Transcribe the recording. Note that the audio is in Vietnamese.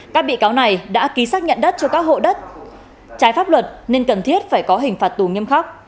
các bị cáo này đã ký xác nhận đất cho các hộ đất trái pháp luật nên cần thiết phải có hình phạt tù nghiêm khắc